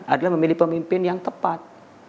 adalah memilih pemimpin yang tepat